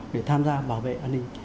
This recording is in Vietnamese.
để tham gia bảo vệ an ninh